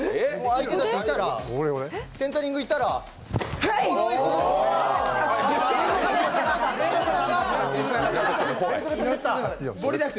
相手がいたらセンタリングいったらほいっ。